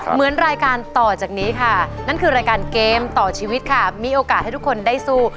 เหมือนรายการต่อจันนี้ค่ะมีโอกาสให้ทุกคนได้สู้